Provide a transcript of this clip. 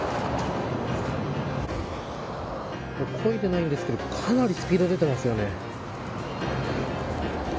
こいでないんですけどかなりスピード出ていますね。